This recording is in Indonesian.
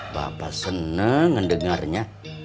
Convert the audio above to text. bapak senang ngedengarnya